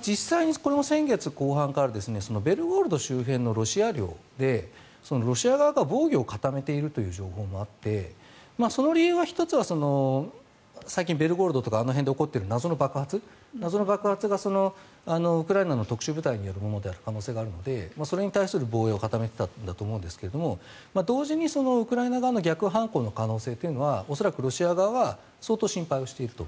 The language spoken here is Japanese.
実際にこれも先月後半からベルゴロド周辺のロシア領でロシア側が防御を固めているという情報もあってその理由の１つは最近ベルゴロドなどで起こっている謎の爆発がウクライナの特殊部隊によるものである可能性があるのでそれに対する防衛を固めていたんだと思うんですが同時にウクライナ側の逆反攻の可能性というのは恐らくロシア側は相当心配をしていると。